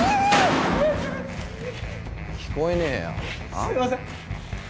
すみません！